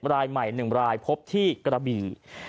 รายใหม่๑รายพบที่กระบี่